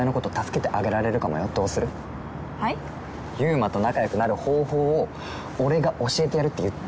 馬と仲良くなる方法を俺が教えてやるって言ってんの。